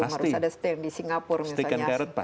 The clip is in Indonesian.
harus ada stand di singapura misalnya